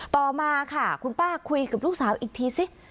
ต่อมาค่ะคุณป้าคุยกับลูกสาวอีกทีสิ